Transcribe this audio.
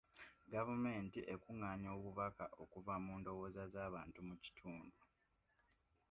Gavumenti ekungaanya obubaka okuva mu ndowooza z'abantu mu kitundu.